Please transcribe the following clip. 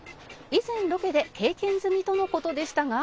「以前ロケで経験済みとの事でしたが」